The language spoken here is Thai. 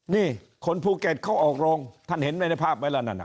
นี่คนภูเก็ตเขาออกโรงท่านเห็นไว้ในภาพไว้แล้วนั่นน่ะ